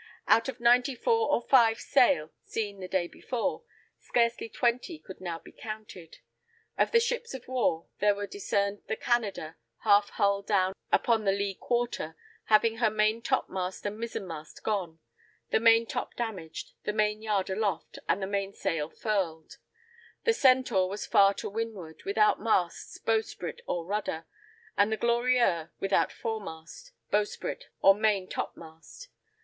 Out of ninety four or five sail, seen the day before, scarcely twenty could now be counted; of the ships of war, there were discerned the Canada, half hull down upon the lee quarter, having her main top mast and mizen mast gone, the main top damaged, the main yard aloft, and the main sail furled; the Centaur was far to windward, without masts, bowsprit or rudder; and the Glorieux without fore mast, bowsprit or main top mast.